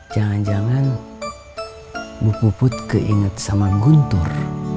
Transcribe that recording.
jangan jangan bu puput keinget sama guntur